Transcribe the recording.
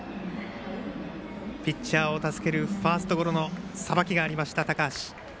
ピッチャーを助けるファーストゴロのさばきがありました、高橋。